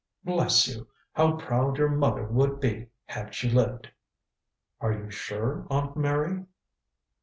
Bless you, how proud your mother would be had she lived " "Are you sure, Aunt Mary?"